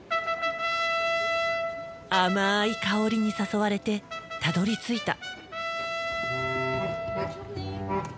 甘い香りに誘われてたどりついた。